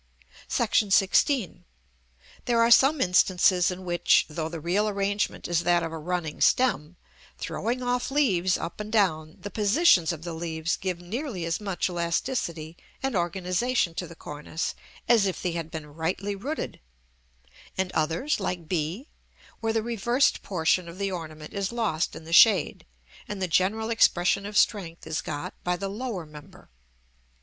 § XVI. There are some instances in which, though the real arrangement is that of a running stem, throwing off leaves up and down, the positions of the leaves give nearly as much elasticity and organisation to the cornice, as if they had been rightly rooted; and others, like b, where the reversed portion of the ornament is lost in the shade, and the general expression of strength is got by the lower member.